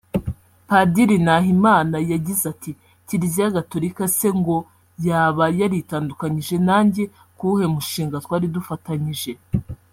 Padiri Nahimana yagize ati “Kiliziya gatolika se ngo yaba yaritandukanyije nanjye ku wuhe mushinga twari dufatanyije